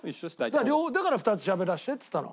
だから両方だから２つしゃべらせてっつったの。